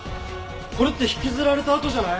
これって引きずられた跡じゃない？